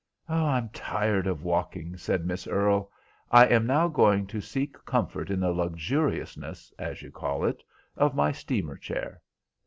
"I am tired of walking," said Miss Earle, "I am now going to seek comfort in the luxuriousness, as you call it, of my steamer chair."